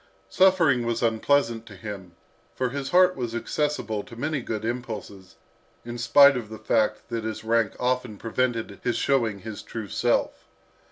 Suffering was unpleasant to him, for his heart was accessible to many good impulses, in spite of the fact that his rank often prevented his showing his true self.